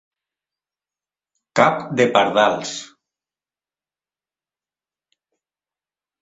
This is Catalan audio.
Cap de pardals.